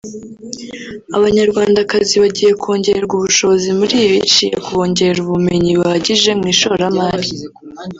Abanyarwandakazi bagiye kongererwa ubushobozi muri iyi biciye ku kubongerera ubumenyi buhagije mu ishoramari